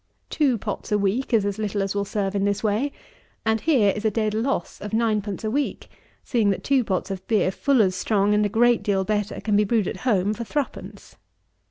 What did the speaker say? Two pots a week is as little as will serve in this way; and here is a dead loss of ninepence a week, seeing that two pots of beer, full as strong, and a great deal better, can be brewed at home for threepence.